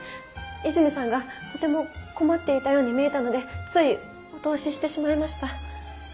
泉さんがとても困っていたように見えたのでついお通ししてしまいました。